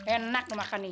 enak lu makan nih